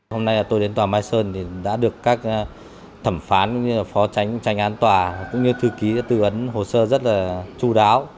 hôm nay tôi đến tòa mai sơn thì đã được các thẩm phán cũng như là phó tránh tranh án tòa cũng như thư ký tư vấn hồ sơ rất là chú đáo